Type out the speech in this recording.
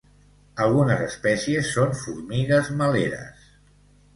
Algunes espècies són formigues meleres.